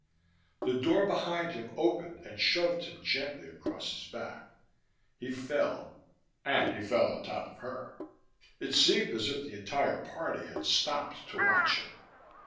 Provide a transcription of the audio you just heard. The door behind him opened and shoved him gently across his back. He fell, and he fell on top of her. It seemed as if the entire party had stopped to watch him.